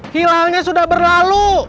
hilalnya sudah berlalu